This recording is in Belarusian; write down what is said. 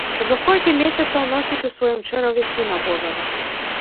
Ужо колькі месяцаў носіць у сваім чэраве сына божага.